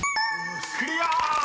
［クリア！］